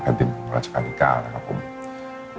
แต่ตอนเด็กก็รู้ว่าคนนี้คือพระเจ้าอยู่บัวของเรา